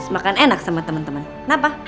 makan enak sama temen temen kenapa